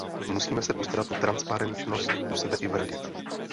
Musíme se postarat o transparentnost, u sebe i v Radě.